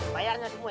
bayarnya semua nih